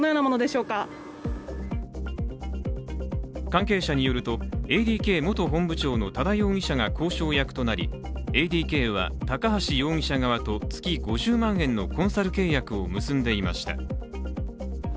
関係者によると、ＡＤＫ元本部長の多田容疑者が交渉役となりＡＤＫは、高橋容疑者側と、月５０万円のコンサル契約を結んでいました。